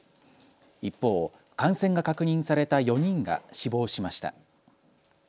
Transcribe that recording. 一方、感染が確認された４人が死亡しました。